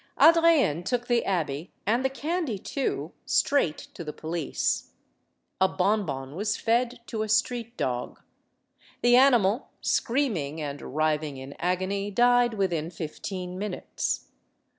Adrienne took the abbe, and the candy, too, straight to the police. A bonbon was fed to a street dog. The animal, screaming and writhing in agony, died within fifteen minutes.